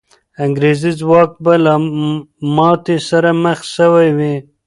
انګریزي ځواک به له ماتې سره مخ سوی وي.